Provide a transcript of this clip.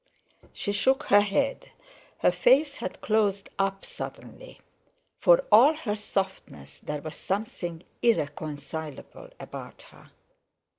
She shook her head. Her face had closed up suddenly. For all her softness there was something irreconcilable about her.